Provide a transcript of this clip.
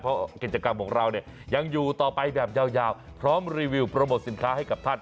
เพราะกิจกรรมของเราเนี่ยยังอยู่ต่อไปแบบยาวพร้อมรีวิวโปรโมทสินค้าให้กับท่าน